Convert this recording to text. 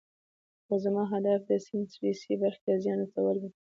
خو زما هدف د سیند سویسی برخې ته ځان رسول وو.